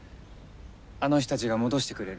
あの人たちが戻してくれる。